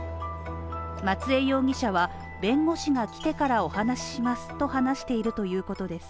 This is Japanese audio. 松江容疑者は、弁護士が来てからお話ししますと話しているということです。